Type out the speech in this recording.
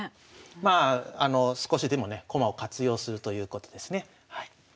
まあ少しでもね駒を活用するということですね。